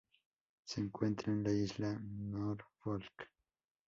Se encuentra en la Isla Norfolk.